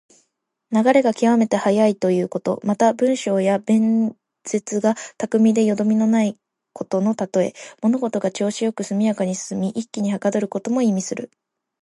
流れが極めて速いということ。また、文章や弁舌が巧みでよどみのないことのたとえ。物事が調子良く速やかに進み、一気にはかどることも意味する。